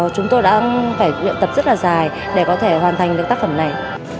chúng tôi đã phải luyện tập rất là dài để có thể hoàn thành được tác phẩm này